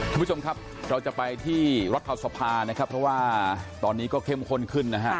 คุณผู้ชมครับเราจะไปที่รัฐสภานะครับเพราะว่าตอนนี้ก็เข้มข้นขึ้นนะฮะ